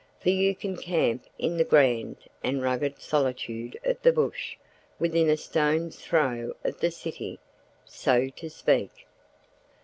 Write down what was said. For you can camp in the grand and rugged solitude of the bush within a stone's throw of the city, so to speak.